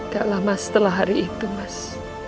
gak lama setelah hari itu mas